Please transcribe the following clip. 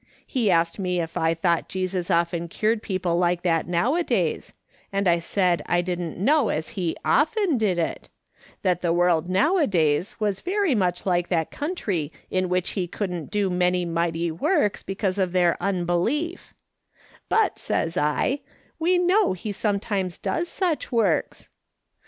He asked me if I thought Jesus often cured people like that nowadays, and I said I didn't know as he oflen did it ; that the M orld nowadays was very much like that country m which he couldn't do many mighty works because of their unbelief ;' but,' says I, ' we know he some times does such works.'